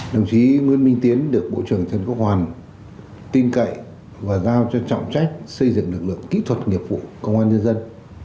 đồng chí nguyễn minh tiến được bộ trưởng trần quốc hoàn tin cậy và giao cho trọng trách xây dựng lực lượng kỹ thuật nghiệp vụ công an nhân dân